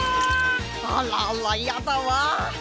あらあらやだわ。